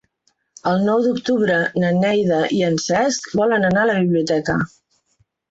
El nou d'octubre na Neida i en Cesc volen anar a la biblioteca.